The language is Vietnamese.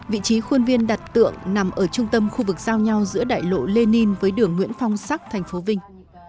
vị trí khuôn viên đặt tượng nằm ở trung tâm khu vực giao nhau giữa đại lộ lenin với đường nguyễn phong sắc thành phố vinh